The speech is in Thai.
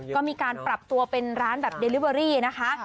ก็มีการปรับตัวเป็นร้านแบบเดลิเวอรี่นะคะ